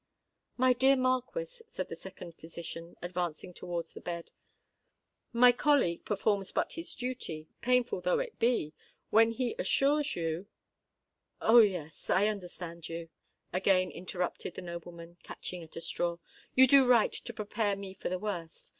"My dear Marquis," said the second physician, advancing towards the bed, "my colleague performs but his duty—painful though it be—when he assures you——" "Oh! yes—I understand you," again interrupted the nobleman, catching at a straw: "you do right to prepare me for the worst!